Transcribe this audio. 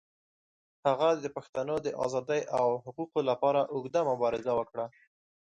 هغه د پښتنو د آزادۍ او حقوقو لپاره اوږده مبارزه وکړه.